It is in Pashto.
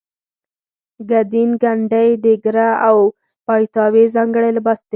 ګدین ګنډۍ ډیګره او پایتاوې ځانګړی لباس دی.